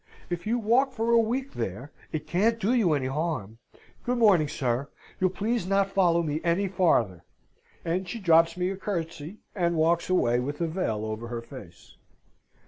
If you walk for a week there, it can't do you any harm. Good morning, sir! You'll please not follow me any farther." And she drops me a curtsey, and walks away with a veil over her face.